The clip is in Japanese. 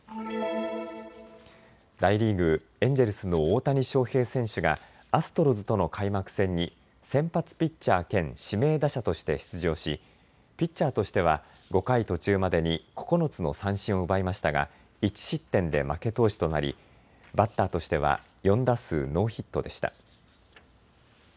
大リーグ、エンジェルスの大谷翔平選手がアストロズとの開幕戦に先発ピッチャー兼指名打者として出場しピッチャーとしては５回途中までに９つの三振を奪いましたが１失点で負け投手となりバッターとしては４打数ノーヒットでした。